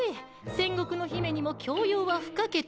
戦国の姫にも教養は不可欠。